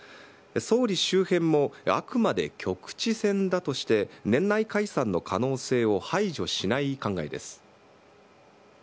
総理周辺もあくまで局地戦だとして、年内解散の可能性を排除しない考えです。